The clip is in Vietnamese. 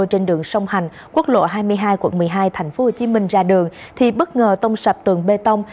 trên đường sông hành quốc lộ hai mươi hai quận một mươi hai tp hcm ra đường thì bất ngờ tông sập tường bê tông